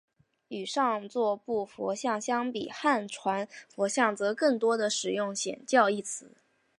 与上座部佛教相比汉传佛教则更多地使用显教一词。